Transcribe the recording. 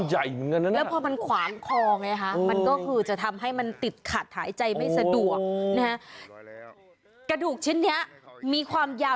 เหมือนกวาดคอออกมา